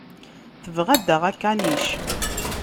Tebɣa ad d-taɣ akanic.